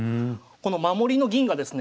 この守りの銀がですね